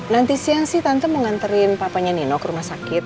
nanti siang sih tante menganterin papanya nino ke rumah sakit